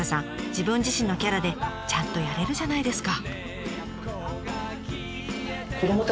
自分自身のキャラでちゃんとやれるじゃないですか。